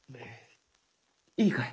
いいかい？